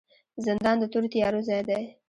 زندان د تورو تیارو ځای دی